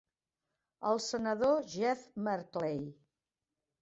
El senador Jeff Merkley.